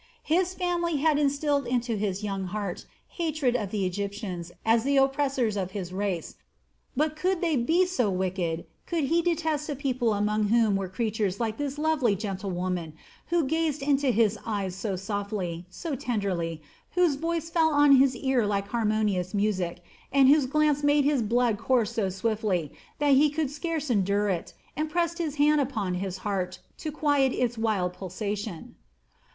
His family had instilled into his young heart hatred of the Egyptians as the oppressors of his race, but could they be so wicked, could he detest a people among whom were creatures like this lovely, gentle woman, who gazed into his eyes so softly, so tenderly, whose voice fell on his ear like harmonious music, and whose glance made his blood course so swiftly that he could scarce endure it and pressed his hand upon his heart to quiet its wild pulsation.